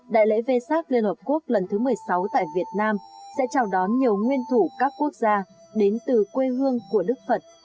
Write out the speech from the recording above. đại lễ vê sát liên hợp quốc lần thứ một mươi sáu tại việt nam sẽ chào đón nhiều nguyên thủ các quốc gia đến từ quê hương của đức phật